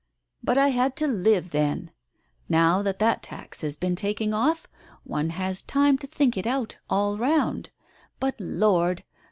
But I had to live, then ! Now that that tax has been taken off, one has time to think it out all round. But Lord